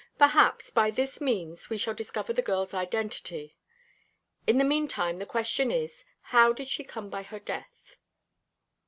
Perhaps, by this means we shall discover the girl's identity. In the mean time the question is, how did she come by her death?"